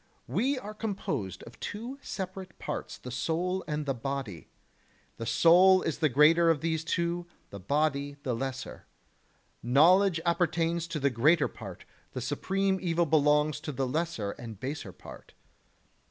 We are composed of two separate parts, the soul and the the body; the soul is the greater of these two, the body the lesser. Knowledge appertains to the greater part, the supreme evil belongs to the lesser and baser part.